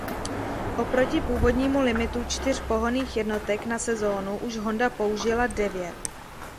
Oproti původnímu limitu čtyř pohonných jednotek na sezónu už Honda použila devět.